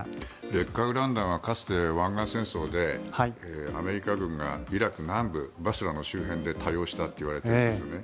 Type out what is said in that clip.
劣化ウラン弾はかつて湾岸戦争でアメリカ軍がイラク南部バスラの周辺で多用したといわれているんですよね。